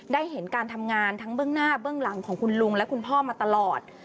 ได้เห็นการทำงานทั้งเบื้องหน้าเบื้องหลังของคุณลุงและคุณพ่อมาตลอด